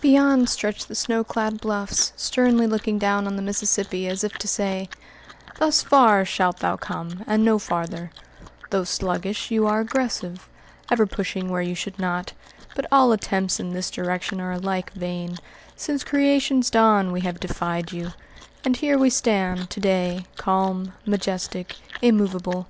Beyond stretched the snow clad bluffs, sternly looking down on the Mississippi, as if to say, "'Thus far shalt thou come and no farther' though sluggish, you are aggressive, ever pushing where you should not; but all attempts in this direction are alike vain; since creation's dawn, we have defied you, and here we stand, to day, calm, majestic, immovable.